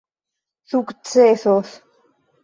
sukcesos